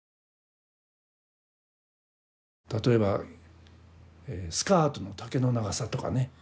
例えばスカートの丈の長さとかね